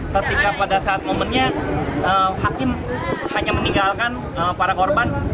ketika pada saat momennya hakim hanya meninggalkan para korban